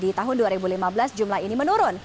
di tahun dua ribu lima belas jumlah ini menurun